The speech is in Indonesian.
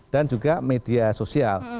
dan juga media sosial